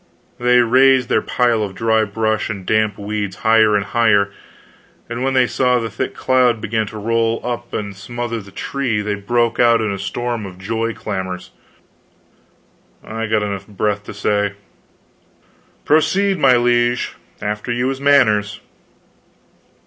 They raised their pile of dry brush and damp weeds higher and higher, and when they saw the thick cloud begin to roll up and smother the tree, they broke out in a storm of joy clamors. I got enough breath to say: "Proceed, my liege; after you is manners."